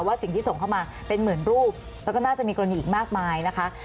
สิ่งที่ส่งเข้ามาเป็นหมื่นรูปแล้วก็น่าจะมีกรณีอีกมากมายนะคะ